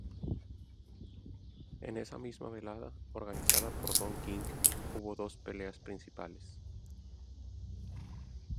En esa misma velada, organizada por Don King, hubo dos peleas principales.